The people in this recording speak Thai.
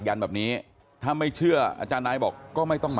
ยันแบบนี้ถ้าไม่เชื่ออาจารย์นายบอกก็ไม่ต้องมา